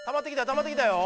たまってきたよ。